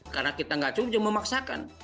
karena kita tidak cukup dia memaksakan